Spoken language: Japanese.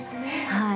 はい